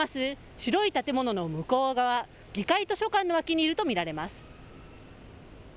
白い建物の向こう側、議会図書館の脇にいると見られます。